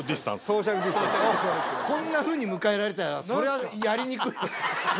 こんなふうに迎えられたらそりゃやりにくいよね。